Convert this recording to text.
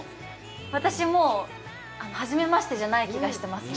私、もう初めましてじゃない気がしてますもん。